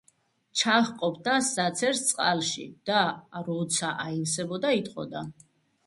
ჩაჰყოფდა საცერს წყალში, და როცა აივსებოდა, იტყოდა: